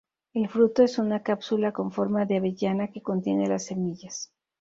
El fruto es una cápsula con forma de avellana que contiene las semillas.